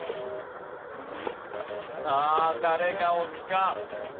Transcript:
さあ誰が押すか？